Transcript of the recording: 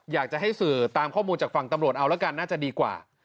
อยากจะให้สื่อตามข้อมูลจากฝั่งตำรวจเอาละกันน่าจะดีกว่า